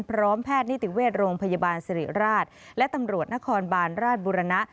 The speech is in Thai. แพทย์นิติเวชโรงพยาบาลสิริราชและตำรวจนครบานราชบุรณะ